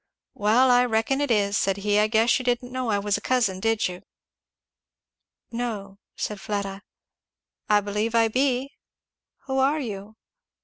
"Well I reckon it is," said he. "I guess you didn't know I was a cousin, did you?" "No," said Fleda. "I believe I be." "Who are you?"